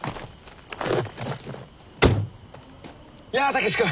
やあ武志君